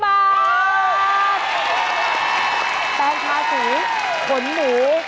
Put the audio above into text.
แปลงทาสีขนหมู